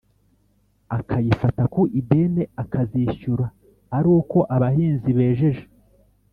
akayifata ku ideni akazishyura ari uko abahinzi bejeje